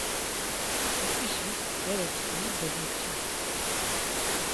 He ǩişis bereçkimi doboçili.